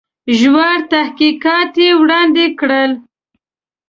ژور تحقیقات یې وړاندي کړل.